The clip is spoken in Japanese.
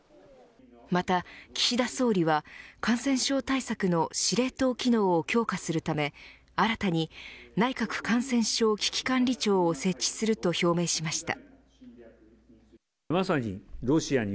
また、岸田総理は感染症対策の司令塔機能を強化するため新たに内閣感染症危機管理庁を設置すると表明しました。